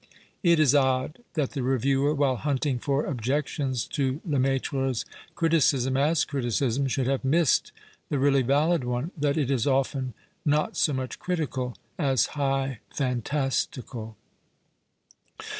It is odd that the reviewer, while hunting for objections to Lemaitrc's criticism, as criticism, should have " missed " the really valid one — that it is often not so much critical as *' high fantastical."